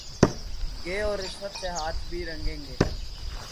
گے اور رشوت سے ہاتھ بھی رنگیں گے۔